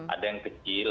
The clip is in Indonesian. ada yang kecil